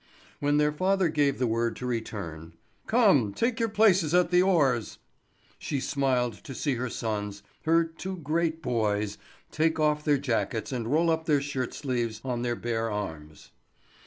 When their father gave the word to return, "Come, take your places at the oars!" she smiled to see her sons, her two great boys, take off their jackets and roll up their shirt sleeves on their bare arms.